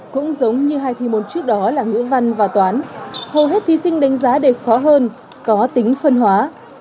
cũng giống như hai thi môn trước đó là ngữ văn và toán hầu hết thí sinh đánh giá đều khó hơn có tính phân hóa